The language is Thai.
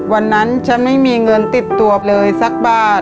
วันนั้นฉันไม่มีเงินติดตัวไปเลยสักบาท